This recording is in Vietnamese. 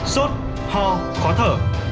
sốt ho khó thở